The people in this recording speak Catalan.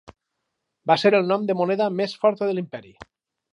Va ser el nom de moneda més forta de l'imperi.